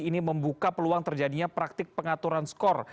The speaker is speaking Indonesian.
ini membuka peluang terjadinya praktik pengaturan skor